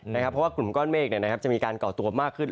เพราะว่ากลุ่มก้อนเมฆเนี่ยนะครับจะมีการเกาะตัวมากขึ้น